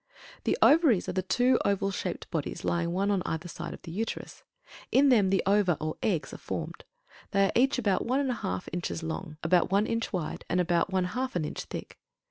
THE OVARIES are the two oval shaped bodies lying one on either side of the Uterus. In them the ova, or eggs, are formed. They are each about one and one half inches long, about one inch wide, and about one half an inch thick.